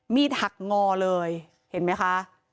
หักงอเลยเห็นไหมคะ